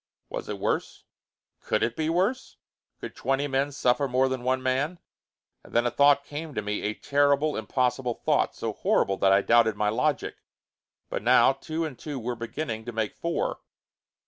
Was it worse? Could it be worse? Could twenty men suffer more than one man? And then a thought came to me, a terrible, impossible thought, so horrible that I doubted my logic. But now two and two were beginning to make four.